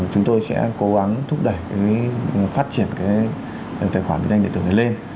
chúng tôi sẽ cố gắng thúc đẩy phát triển cái tài khoản địa danh địa tử này lên